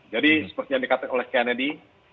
jadi seperti yang dikatakan oleh kennedy